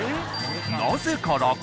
なぜか楽？